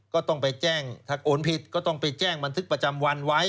ก็ต้องไปแจ้งถ้าโอนผิดก็ต้องไปแจ้งบันทึกประจำวันไว้